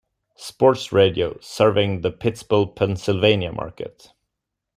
Sports Radio serving the Pittsburgh, Pennsylvania market.